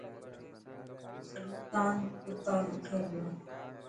سلطان ڪتا لکي پيو.